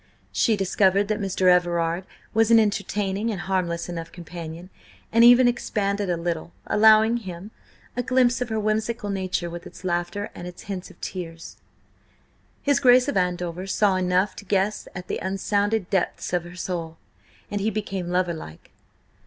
She discovered that Mr. Everard was an entertaining and harmless enough companion, and even expanded a little, allowing him a glimpse of her whimsical nature with its laughter and its hint of tears. His Grace of Andover saw enough to guess at the unsounded depths in her soul, and he became lover like.